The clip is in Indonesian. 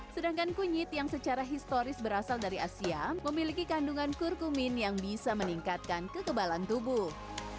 sedangkan kunyit yang secara historis berasal dari asia memiliki kandungan kurkumin yang bisa meningkatkan kekebalan tubuh